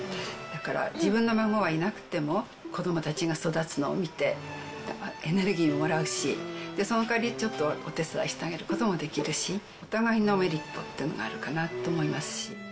だから、自分の孫はいなくても、子どもたちが育つのを見て、エネルギーをもらうし、そのかわり、ちょっとお手伝いしてあげることもできるし、お互いのメリットっていうのがあるかなと思いますし。